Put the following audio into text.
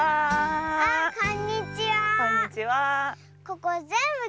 ここぜんぶ